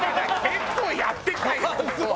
結構やってたよ。